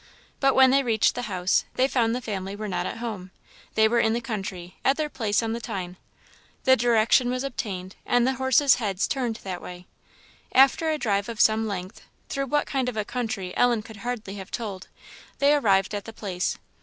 But when they reached the house, they found the family were not at home; they were in the country, at their place on the Tyne. The direction was obtained, and the horses' heads turned that way. After a drive of some length, through what kind of a country Ellen could hardly have told, they arrived at the place.